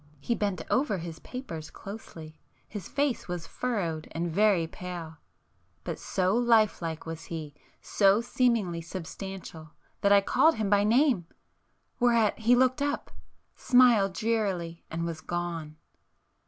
He bent over his papers closely,—his face was furrowed and very pale,—but so life like was he, so seemingly substantial that I called him by name, whereat he looked up,—smiled drearily, and was gone!